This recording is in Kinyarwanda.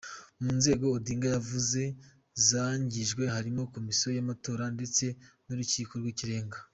Mu nzego Odinga avuga zangijwe harimo Komisiyo y’Amatora ndetse n’Urukiko rw’Ikirenga.